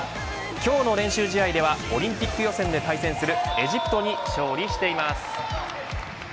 今日の練習試合ではオリンピック予選で対戦するエジプトに勝利しています。